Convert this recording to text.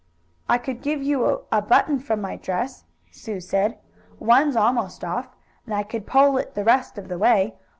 "I could give you a button from my dress," Sue said. "One's almost off, and I could pull it the rest of the way.